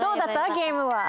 ゲームは。